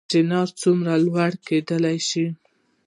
چنار څومره لوی کیدی شي؟